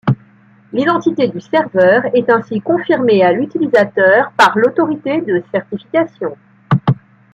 L'identité du serveur est ainsi confirmée à l'utilisateur par l'Autorité de Certification.